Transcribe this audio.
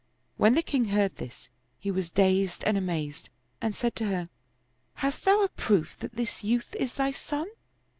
When the king heard this, he was dazed and amazed and said to her, " Hast thou a proof that this youth is thy son